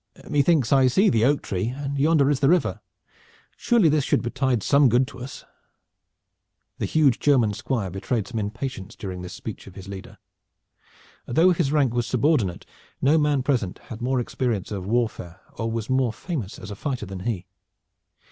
"Methinks I see the oak tree, and yonder is the river. Surely this should betide some good to us." The huge German Squire betrayed some impatience during this speech of his leader. Though his rank was subordinate, no man present had more experience of warfare or was more famous as a fighter than he.